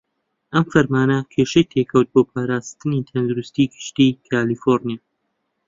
ئەم فەرمانە کێشەی تێکەوت بۆ پاراستنی تەندروستی گشتی کالیفۆڕنیا.